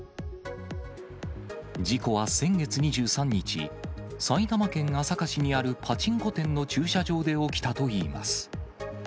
事故は先月２３日、埼玉県朝霞市にあるパチンコ店の駐車場で起きたといいます。